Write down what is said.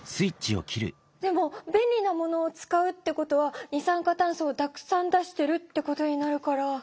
でも便利なものを使うってことは二酸化炭素をたくさん出してるってことになるから。